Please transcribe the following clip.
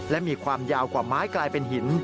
และมีความยาวกว่าไม้กลายเป็นหิน